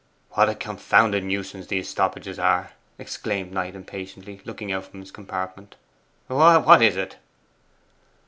'What a confounded nuisance these stoppages are!' exclaimed Knight impatiently, looking out from his compartment. 'What is it?